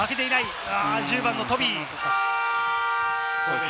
１０番のトビーです。